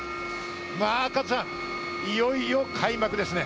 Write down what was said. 加藤さん、いよいよ開幕ですね。